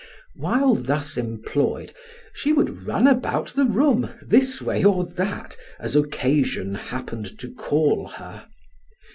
While thus employed, she would run about the room, this way or that, as occasion happened to call her.